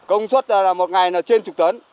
công suất là một ngày trên một mươi tấn